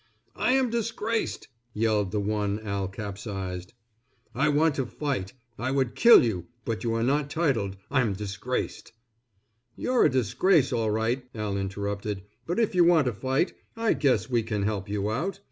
"I am disgraced," yelled the one Al capsized. "I want to fight. I would kill you, but you are not titled. I'm disgraced." "You're a disgrace, all right," Al interrupted, "but if you want a fight, I guess we can help you out.